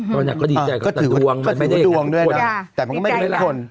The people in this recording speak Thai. ตอนนี้ก็ดีใจก็ถือว่าดวงด้วยแต่มันก็ไม่ได้เป็นคน